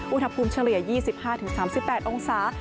อุณหภูมิเฉลี่ย๒๕๓๘องศา